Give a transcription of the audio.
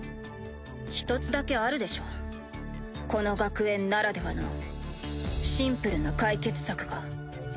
一つだけあるでしょこの学園ならではのシンプルな解決策が。